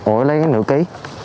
ổi lấy cái nửa ký